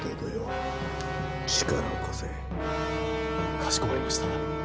かしこまりました。